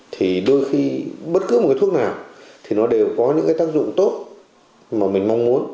thì đôi khi bất cứ một cái thuốc nào thì nó đều có những cái tác dụng tốt mà mình mong muốn